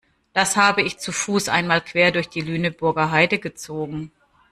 Das habe ich zu Fuß einmal quer durch die Lüneburger Heide gezogen.